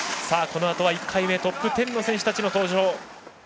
このあとは１回目トップ１０の選手たちの登場。